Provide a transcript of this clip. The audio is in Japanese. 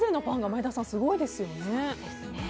前田さん、すごいですよね。